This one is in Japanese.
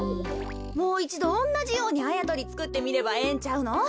もういちどおんなじようにあやとりつくってみればええんちゃうの？